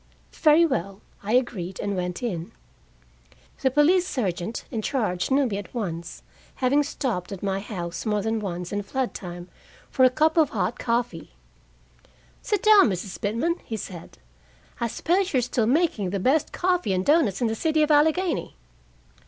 "Very well," I agreed, and went in. The police sergeant in charge knew me at once, having stopped at my house more than once in flood time for a cup of hot coffee. "Sit down, Mrs. Pitman," he said. "I suppose you are still making the best coffee and doughnuts in the city of Allegheny?